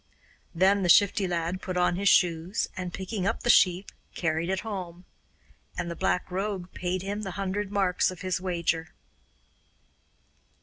Then the Shifty Lad put on his shoes, and, picking up the sheep, carried it home. And the Black Rogue paid him the hundred marks of his wager.